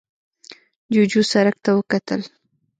جوجو سرک ته وکتل.